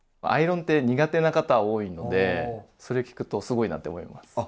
アイロンって苦手な方多いのでそれ聞くとすごいなって思います。